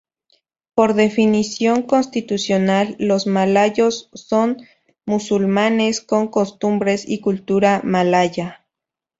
Por definición constitucional los malayos son musulmanes con costumbres y cultura malaya.